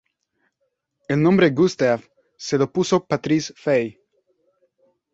El nombre Gustave se lo puso Patrice Faye.